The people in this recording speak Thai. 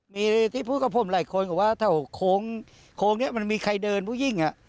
มีที่พูดกับผมหลายคนบอกว่าแถวโค้งนี้มันมีใครเดินผู้ยิ่งอ่ะ